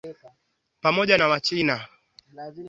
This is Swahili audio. pamoja na Wachina waliotafuta kazi hasa Kalifornia